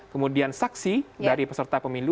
kemudian saksi dari peserta pemilu